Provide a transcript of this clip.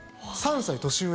３歳年上